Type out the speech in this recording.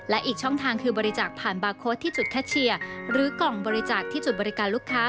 และอีกช่องทางคือบริจาคผ่านบาร์โค้ดที่จุดแคชเชียร์หรือกล่องบริจาคที่จุดบริการลูกค้า